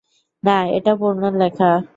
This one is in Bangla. না, এটা পূর্ণর লেখা।